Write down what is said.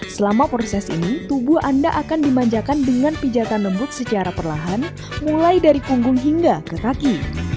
selama proses ini tubuh anda akan dimanjakan dengan pijatan lembut secara perlahan mulai dari punggung hingga ke kaki